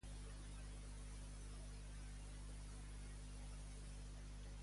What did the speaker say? A la vora de qui passà don Eudald?